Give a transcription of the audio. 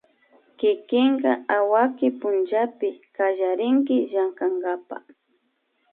kikinka awaki pullapi kallarinki llankakapak